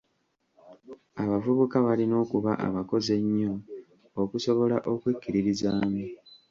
Abavubuka balina okuba abakozi ennyo okusobola okwekkiririzaamu.